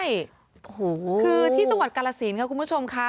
ใช่คือที่จังหวัดกาลสินค่ะคุณผู้ชมค่ะ